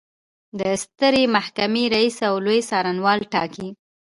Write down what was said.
د سترې محکمې رئیس او لوی څارنوال ټاکي.